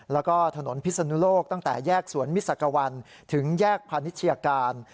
แล้วก็ถนนพิศนุโลกตั้งแต่แยกสวนมิสักวันถึงแยกพาณิชยาการ